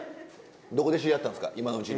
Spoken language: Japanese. どこで知り合ったんですか今のうちに。